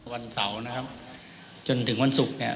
วันเสาร์นะครับจนถึงวันศุกร์เนี่ย